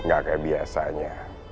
gak kayak biasanya